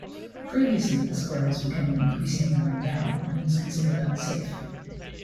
Previously the square was becoming increasingly run down and was considered unsafe.